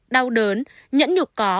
đau đớn nhẫn nhục có